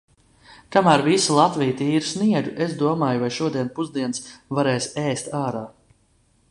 Kamēr visa Latvija tīra sniegu, es domāju, vai šodien pusdienas varēs ēst ārā.